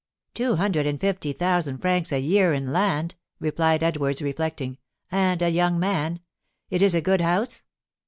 "Two hundred and fifty thousand livres a year in land!" replied Edwards, reflecting; "and a young man! It is a good house?"